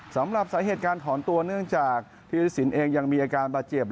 สำหรับสาเหตุการถอนตัวเนื่องจากธิริสินเองยังมีอาการบาดเจ็บ